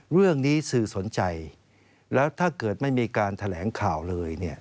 เรื่องนี้สื่อสนใจแล้วถ้าเกิดไม่มีการแถลงข่าวเลย